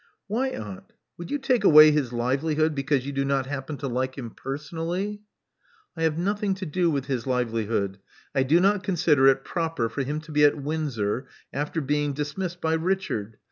Why, aunt? Would you take away his livelihood because you do not happen to like him personally?" I have nothing to do with his livelihood. I do not consider it proper for him to be at Windsor, after being dismissed by Richard.